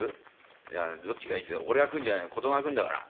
いやどっちがいいって俺が食うんじゃない子供が食うんだからな？